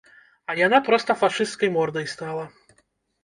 А яна проста фашысцкай мордай стала.